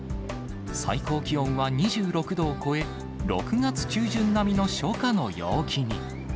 最高気温は２６度を超え、６月中旬並みの初夏の陽気に。